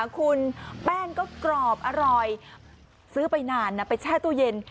คุณแป้งก็กรอบอร่อยซื้อไปนานนะไปแช่ตู้เย็น